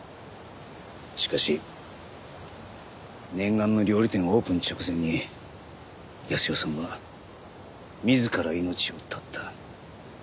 しかし念願の料理店オープン直前に泰代さんは自ら命を絶った。